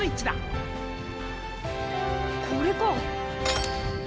これか。